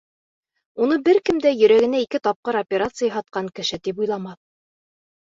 Уны бер кем дә йөрәгенә ике тапҡыр операция яһатҡан кеше тип уйламаҫ.